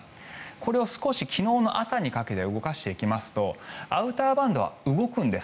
これを少し昨日の朝にかけて動かしていきますとアウターバンドは動くんです